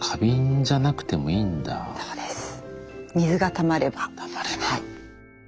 たまれば。